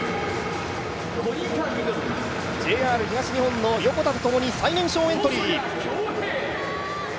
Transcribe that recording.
ＪＲ東日本・横田とともに最年少エントリー。